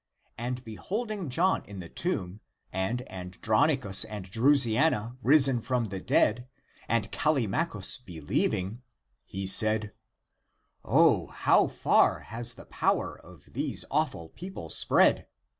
And behold ing John in the tomb and Andronicus and Drusiana risen from the dead and Callimachus believing, he said, " O how far has the power of these awful people spread